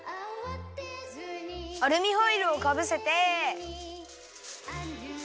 アルミホイルをかぶせて。